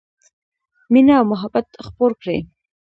مینه او محبت خپور کړئ